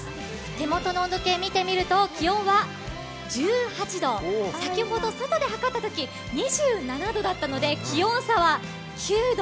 手元の温度計見てみると気温は１８度、先ほど外で計ったとき２７度だったので気温差は９度。